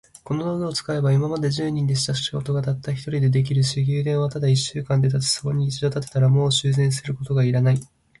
この道具を使えば、今まで十人でした仕事が、たった一人で出来上るし、宮殿はたった一週間で建つ。それに一度建てたら、もう修繕することが要らない。